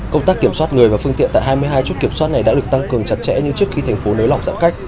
công tác kiểm soát người và phương tiện tại hai mươi hai chút kiểm soát này đã được tăng cường chặt chẽ như trước khi thành phố nới lỏng giãn cách